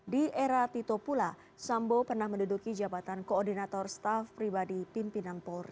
di era tito pula sambo pernah menduduki jabatan koordinator staff pribadi pimpinan polri